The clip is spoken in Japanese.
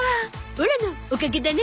オラのおかげだね！